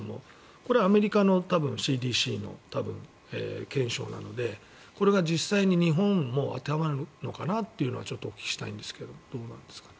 これは多分アメリカのＣＤＣの検証なのでこれが実際に日本も当てはまるのかなとちょっとお聞きしたいんですがどうですかね。